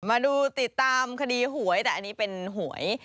มาดูติดตามคดีหวยแต่อันนี้เป็นหวย